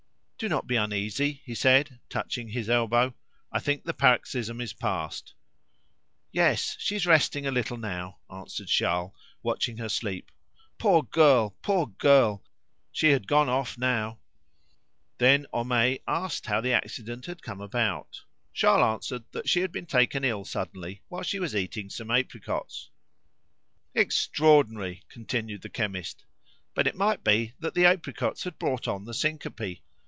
"Do not be uneasy," he said, touching his elbow; "I think the paroxysm is past." "Yes, she is resting a little now," answered Charles, watching her sleep. "Poor girl! poor girl! She had gone off now!" Then Homais asked how the accident had come about. Charles answered that she had been taken ill suddenly while she was eating some apricots. "Extraordinary!" continued the chemist. "But it might be that the apricots had brought on the syncope.